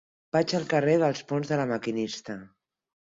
Vaig al carrer dels Ponts de La Maquinista.